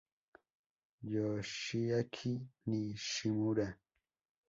Yoshiaki Nishimura